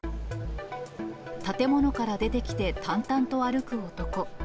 建物から出てきて淡々と歩く男。